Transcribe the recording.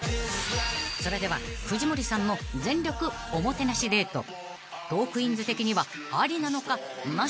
［それでは藤森さんの全力おもてなしデートトークィーンズ的にはありなのかなしなのか］